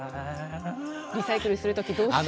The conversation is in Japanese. リサイクルするとき。